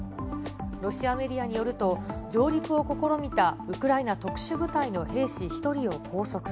ロシアメディアによると、上陸を試みたウクライナ特殊部隊の兵士１人を拘束。